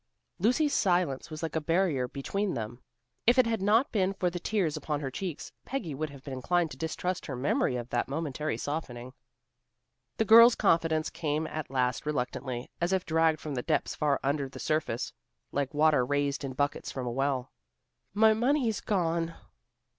Lucy's silence was like a barrier between them. If it had not been for the tears upon her cheeks, Peggy would have been inclined to distrust her memory of that momentary softening. The girl's confidence came at last reluctantly, as if dragged from depths far under the surface, like water raised in buckets from a well. "My money's gone."